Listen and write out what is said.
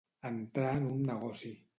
Entrar en un negoci.